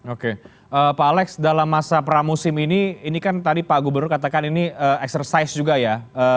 oke pak alex dalam masa pramusim ini ini kan tadi pak gubernur katakan ini eksersis juga ya